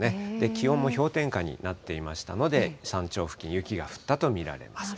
気温も氷点下になっていましたので、山頂付近、雪が降ったと見られます。